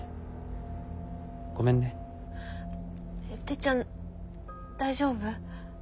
てっちゃん大丈夫？